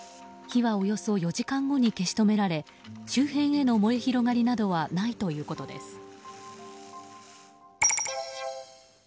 火は、およそ４時間後に消し止められ周辺への燃え広がりなどはないということです。